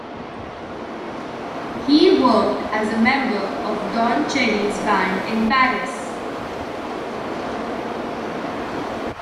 He worked as a member of Don Cherry's band in Paris.